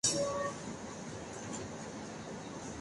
Es nieta del Gral.